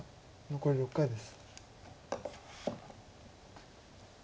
残り６回です。